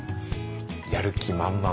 やる気満々。